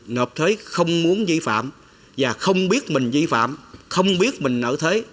nợ thế không muốn di phạm và không biết mình di phạm không biết mình nợ thế